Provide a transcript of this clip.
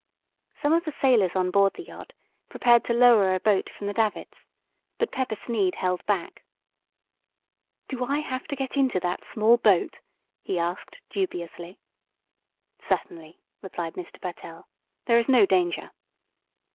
Some of the sailors on board the yacht prepared to lower a boat from the davits, but Pepper Sneed held back. "Do I have to get into that small boat?" he asked, dubiously. "Certainly!" replied Mr. Pertell. "There is no danger."